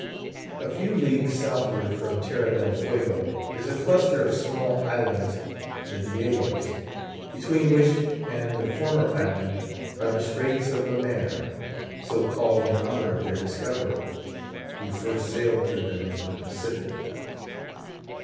A few leagues southward from Terra del Fuego is a cluster of small islands, the Diegoes; between which and the former island are the Straits of Le Mair, so called in honour of their discoverer, who first sailed through them into the Pacific.